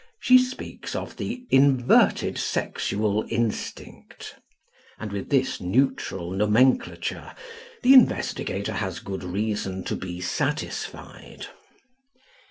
She speaks of the "inverted sexual instinct"; and with this neutral nomenclature the investigator has good reason to be satisfied.